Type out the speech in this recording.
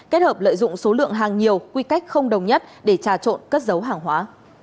kết hợp lợi dụng số lượng hàng nhiều quy cách không đồng nhất để trà trộn cất dấu hàng hóa